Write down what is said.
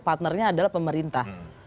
partnernya adalah pemerintah